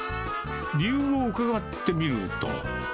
理由を伺ってみると。